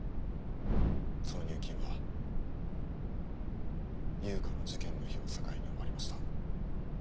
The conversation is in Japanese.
その入金は悠香の事件の日を境に終わりました。